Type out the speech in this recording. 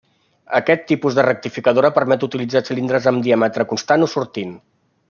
Aquest tipus de rectificadora permet utilitzar cilindres amb diàmetre constant o sortint.